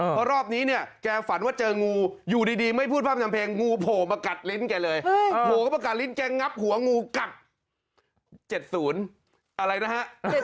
เพราะรอบนี้เนี่ยแกฝันว่าเจองูอยู่ดีไม่พูดพร่ำทำเพลงงูโผล่มากัดลิ้นแกเลยโผล่ก็ประกัดลิ้นแกงับหัวงูกัด๗๐อะไรนะฮะ